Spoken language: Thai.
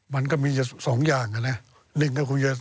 มันก็มีสองอย่าง